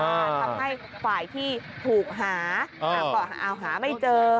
ทำให้ฝ่ายที่ถูกหาก็เอาหาไม่เจอ